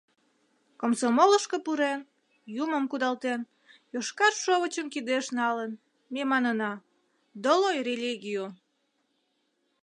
Комсомолышко пурен, юмым кудалтен, йошкар шовычым кидеш налын, ме манына: «Долой религию!»